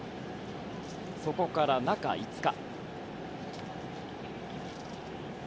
そこから中５日。